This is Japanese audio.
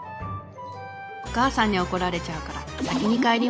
お母さんに怒られちゃうから先に帰ります。